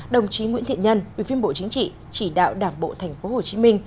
đồng chí nguyễn thiện nhân ủy viên bộ chính trị chỉ đạo đảng bộ tp hcm